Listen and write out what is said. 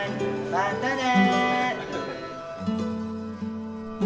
まったね。